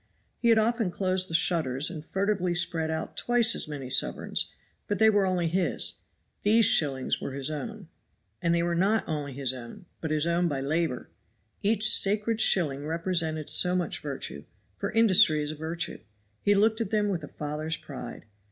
He had often closed the shutters and furtively spread out twice as many sovereigns, but they were only his, these shillings were his own. And they were not only his own but his own by labor. Each sacred shilling represented so much virtue; for industry is a virtue. He looked at them with a father's pride.